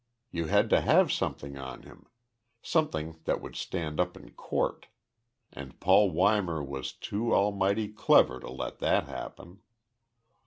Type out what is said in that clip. You had to have something on him something that would stand up in court and Paul Weimar was too almighty clever to let that happen.